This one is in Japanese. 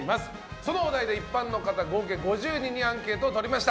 そのお題で一般の方合計５０人にアンケートをとりました。